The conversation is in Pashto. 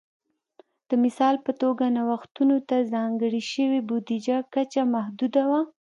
د مثال په توګه نوښتونو ته ځانګړې شوې بودیجې کچه محدوده وه